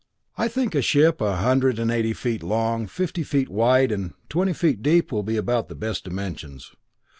I think a ship a hundred and eighty feet long, fifty feet wide, and twenty feet deep will be about the best dimensions.